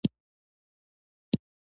د هوا کثافت په حرارت پورې اړه لري.